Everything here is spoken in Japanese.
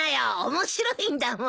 面白いんだもん。